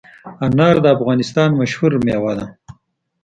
انار د افغانستان مشهور مېوه ده.